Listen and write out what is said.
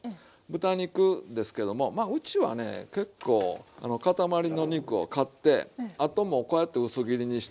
豚肉ですけどもまあうちはね結構塊の肉を買ってあともうこうやって薄切りにして。